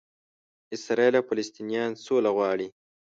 اسراییل او فلسطنینان سوله غواړي.